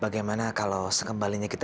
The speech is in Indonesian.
bagaimana kalau sekembalinya gitu ya